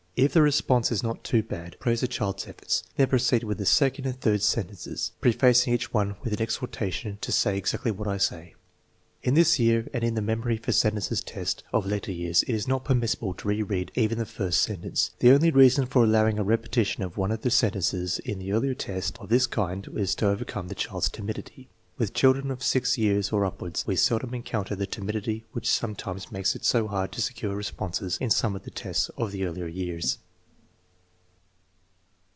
If the response is not too bad, praise the child's efforts. Then proceed with the second and third sentences, prefacing each with an exhortation to " say exactly what I say." In this year and in the memory for sentences test of later years it is not permissible to re read even the first sentence. The only reason for allowing a repetition of one of the sentences in the earlier test of this kind was to overcome the child's timidity. With children of 6 years or upward we seldom encounter the timidity which some 1SG THE MEASUKEMENT OF INTELLIGENCE times makes it so hard to secure responses in some of the tests of the earlier years.